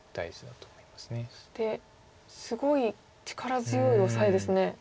そしてすごい力強いオサエですね。